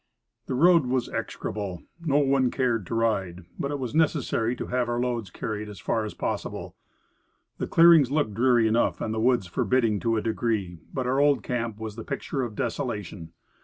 The road was execrable; no one cared to ride; but it was necessary to have our loads carried as far as possible. The clearings looked dreary enough, and the woods forbidding to a degree, but our old camp was the picture of deso lation.